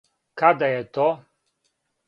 Када је то?